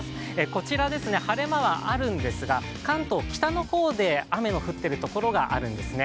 こちら、晴れ間はあるんですが関東、北の方で雨の降っているところがあるんですね。